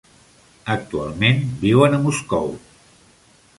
Actualment viuen a Moscou.